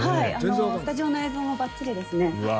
スタジオの映像もばっちりですね。